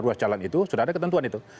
ruas jalan itu sudah ada ketentuan itu